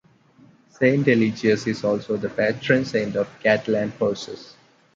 Saint Eligius is also the patron saint of cattle and horses.